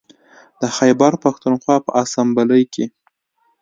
د خیبر پښتونخوا په اسامبلۍ کې